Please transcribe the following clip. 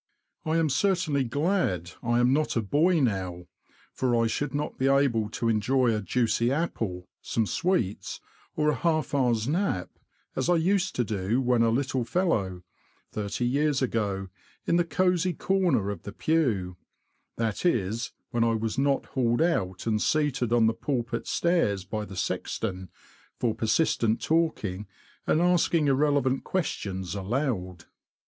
I am certainly glad I am not a boy now ; for I should not be able to enjoy a juicy apple, some sweets, or a half hour's nap, as I used to do when a little F 2 68 THE LAND OF THE BROADS. fellow, thirty years ago, in the cosy corner of the pew ; that is, when I was not hauled out and seated on the pulpit stairs, by the sexton, for persistent talking, and asking irrelevant questions aloud.